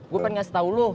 gue pengen ngasih tau lo